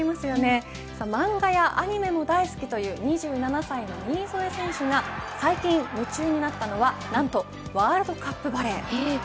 漫画やアニメも大好きという２７歳の新添選手が最近夢中になったのは、何とワールドカップバレー。